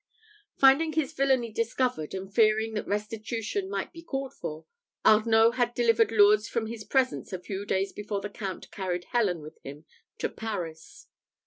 Finding his villany discovered, and fearing that restitution might be called for, Arnault had delivered Lourdes from his presence a few days before the Count carried Helen with him to Paris.